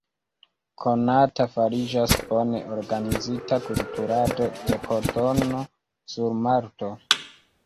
Konata fariĝas bone organizita kulturado de kotono sur Malto.